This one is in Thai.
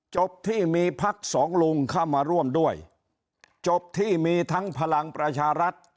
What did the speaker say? จบที่มีพักสองลุงเข้ามาร่วมด้วยจบที่มีทั้งพลังประชารัฐ